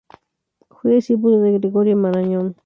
Fue discípulo de Gregorio Marañón.